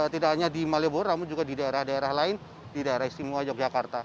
tidak hanya di malioboro namun juga di daerah daerah lain di daerah istimewa yogyakarta